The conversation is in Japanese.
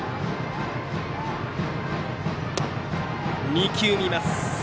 ２球、見ます。